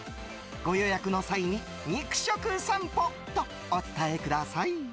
ご予約の際に、肉食さんぽとお伝えください。